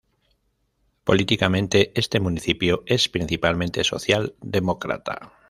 Políticamente, este municipio es principalmente social demócrata.